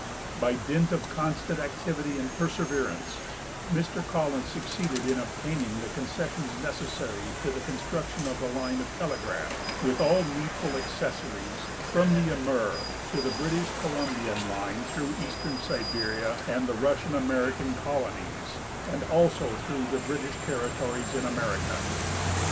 By dint of constant activity and perseverance, Mr Collins succeeded in obtaining the concessions necessary to the construction of a line of telegraph, with all needful acces sories, from the Amur to tlie British Columbian line through eastern Siberia and the Bussian American colonies, and also through the British territories in America.